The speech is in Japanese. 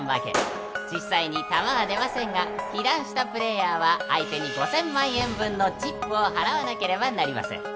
［実際に弾は出ませんが被弾したプレーヤーは相手に５，０００万円分のチップを払わなければなりません］